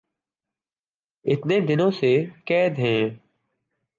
اتنے دنوں سے قید ہیں